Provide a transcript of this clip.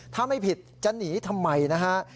ถ้าไม่ผิดจะหนีทำไมนะฮะ